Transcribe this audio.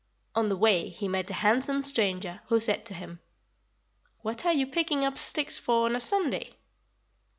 On the way he met a handsome stranger, who said to him: "'What are you picking up sticks for on Sunday?'